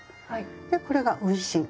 でこれが運針。